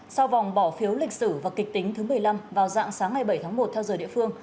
sau vòng bỏ phiếu lịch sử và kịch tính thứ một mươi năm vào dạng sáng ngày bảy tháng một theo giờ địa phương